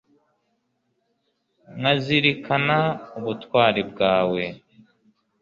nkazirikana ubutwari bwawe